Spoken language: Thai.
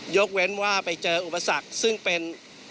ยกเว้นว่าไปเจออุปสรรคซึ่งเป็น